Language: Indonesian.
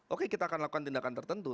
oke kita akan lakukan tindakan tertentu